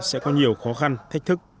sẽ có nhiều khó khăn thách thức